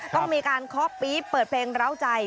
ต้องมีการเคาะปี๊บเปิดเพลงร้าวใจ